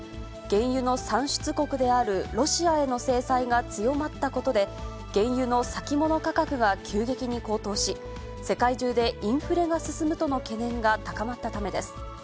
原油の産出国であるロシアへの制裁が強まったことで、原油の先物価格が急激に高騰し、世界中でインフレが進むとの懸念が高まったためです。